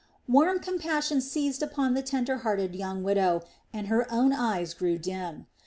Warm compassion seized upon the tender hearted young widow, and her own eyes grew dim.